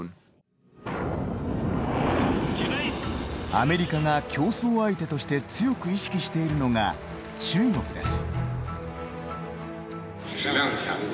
アメリカが、競争相手として強く意識しているのが中国です。